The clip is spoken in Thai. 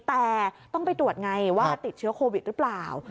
แต่ต้องไปตรวจไงว่าติดเชื้อโควิดหรือเปล่า